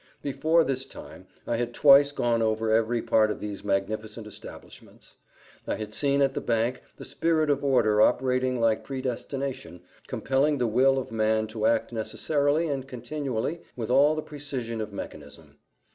Before this time I had twice gone over every part of these magnificent establishments. I had seen at the Bank the spirit of order operating like predestination, compelling the will of man to act necessarily and continually with all the precision of mechanism.